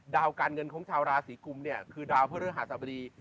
ดาวการเงินของชาวราศีกรุมคือดาวเพื่อเรื่องหาสบดี